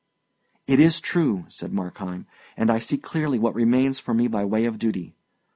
"It is true," said Markheim; "and I see clearly what remains for me by way of duty.